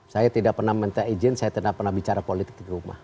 saya tidak pernah minta izin saya tidak pernah bicara politik di rumah